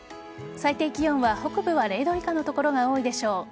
最低気温は北部は０度以下の所が多いでしょう。